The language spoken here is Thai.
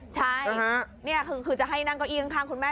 ใช่นี่คือจะให้นั่งเก้าอี้ข้างคุณแม่